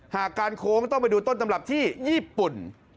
หากการโค้งต้องไปดูต้นตำรับที่ญี่ปุ่น